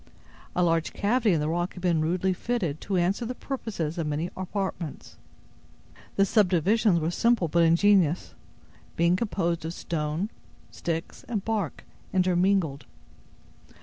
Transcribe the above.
A large cavity in the rock had been rudely fitted to answer the purposes of many apartments. The subdivisions were simple but ingenious, being composed of stone, sticks, and bark, intermingled.